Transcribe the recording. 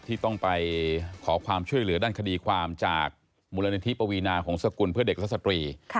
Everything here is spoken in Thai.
ที่ต้องไปขอความช่วยเหลือด้านคดีความจากมูลนิธิปวีนาหงศกุลเพื่อเด็กและสตรี